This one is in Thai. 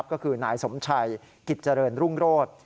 ก็คือนายสมชัยกิจเจริญรุ่งโรธ